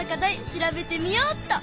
調べてみよっと。